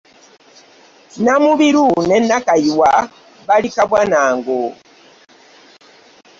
Namubiru ne Nakayiwa bali kabwa na ngo.